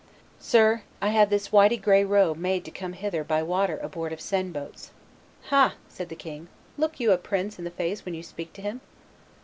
"Sir, I had this whity gray robe made to come hither by water aboard of Seine boats." "Ha!" said the king, "look you a prince in the face when you speak to him?"